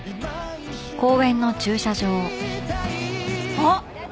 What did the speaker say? あっ！